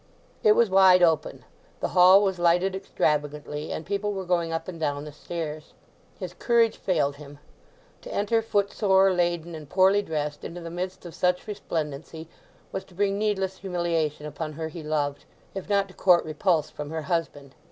It was wide open, the hall was lighted extravagantly, and people were going up and down the stairs. His courage failed him; to enter footsore, laden, and poorly dressed into the midst of such resplendency was to bring needless humiliation upon her he loved, if not to court repulse from her husband.